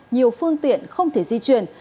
nhiều phương tiện không thể di chuyển